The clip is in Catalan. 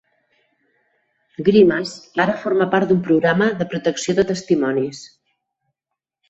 Grimes ara forma part d'un programa de protecció de testimonis.